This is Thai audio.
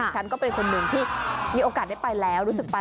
ฉันก็เป็นคนหนึ่งที่มีโอกาสได้ไปแล้วรู้สึกไป